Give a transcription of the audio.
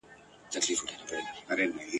پر پخواني حالت نوره هم زیاته کړي ..